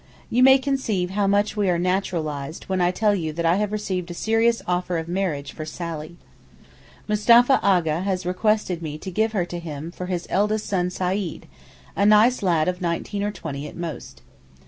You may conceive how much we are naturalized when I tell you that I have received a serious offer of marriage for Sally. Mustapha A'gha has requested me to 'give her to him' for his eldest son Seyyid, a nice lad of nineteen or twenty at most.